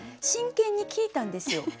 真剣に聞いたんですよ。